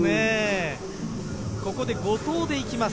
ここで後藤でいきます。